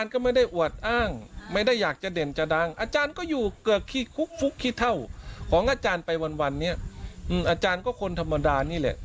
คลุกคลุกคลุกเท่าของอาจารย์ไปวันนี้อาจารย์ก็คนธรรมดานี่แหละ